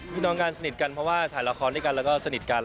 พี่น้องกันสนิทกันเพราะว่าถ่ายละครด้วยกันแล้วก็สนิทกัน